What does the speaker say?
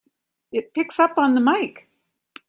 It picks up on the mike!